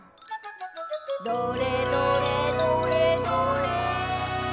「どれどれどれどれ」